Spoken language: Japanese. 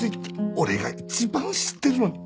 俺が一番知ってるのに。